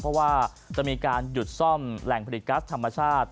เพราะว่าจะมีการหยุดซ่อมแหล่งผลิตกัสธรรมชาติ